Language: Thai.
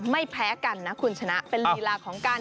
ไม่แพ้กันนะคุณชนะเป็นลีลาของการ